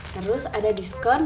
terus ada diskon